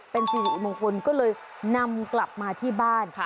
เป็นสิริมงคลก็เลยนำกลับมาที่บ้าน